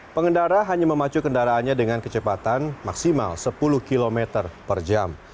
pengendara hanya memacu kendaraannya dengan kecepatan maksimal sepuluh km per jam